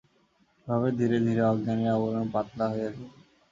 এভাবে ধীরে ধীরে অজ্ঞানের আবরণ পাতলা হইয়া যাইবে।